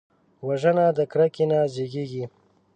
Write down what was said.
وژنه د کرکې نه زیږېږي